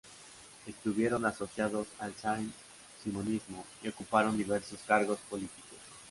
Estuvieron asociados al saint-simonismo, y ocuparon diversos cargos políticos.